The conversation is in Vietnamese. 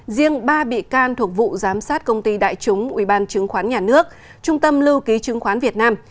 riêng ba bị can thuộc vụ giám sát công ty đại chúng ubnd trung tâm lưu ký chứng khoán việt nam